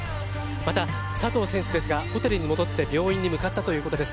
また、佐藤選手ですがホテルに戻って病院に向かったということです。